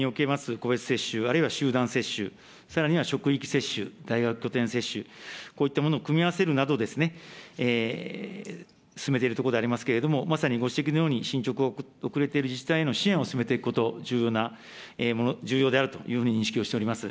個別接種、あるいは集団接種、さらには職域接種、大学拠点接種、こういったものを組み合わせるなど、進めているところでありますけれども、まさにご指摘のように、進捗が遅れている自治体への支援を進めていくこと、重要な、重要でであるというふうに認識をしております。